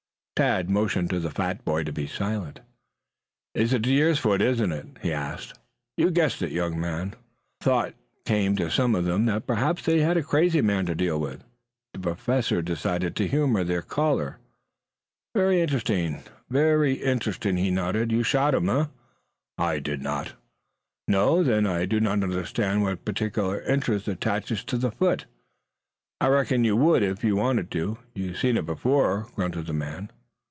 Tad motioned to the fat boy to be silent. "It is a deer's foot, isn't it?" he asked. "You've guessed it, young man." The thought came to some of them that perhaps they had a crazy man to deal with. The Professor decided to humor their caller. "Very interesting, very interesting," he nodded. "You shot him, eh?" "I did not." "No? Then I do not understand what particular interest attaches to the foot." "I reckon you would if you wanted to. You've seen it before," grunted the man.